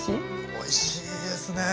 おいしいですね。